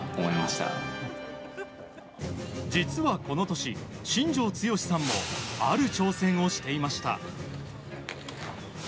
実はこの年、新庄剛志さんもある挑戦をしていました。